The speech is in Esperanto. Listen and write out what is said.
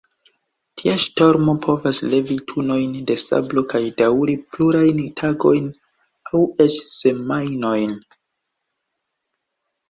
Tia ŝtormo povas levi tunojn da sablo kaj daŭri plurajn tagojn aŭ eĉ semajnojn.